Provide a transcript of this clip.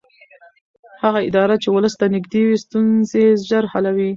هغه اداره چې ولس ته نږدې وي ستونزې ژر حلوي